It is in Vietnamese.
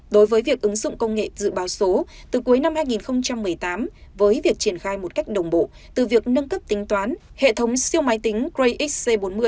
đối với việc ứng dụng công nghệ dự báo số từ cuối năm hai nghìn một mươi tám với việc triển khai một cách đồng bộ từ việc nâng cấp tính toán hệ thống siêu máy tính crayx bốn mươi